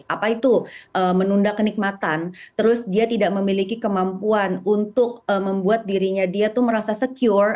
apa itu menunda kenikmatan terus dia tidak memiliki kemampuan untuk membuat dirinya dia tuh merasa secure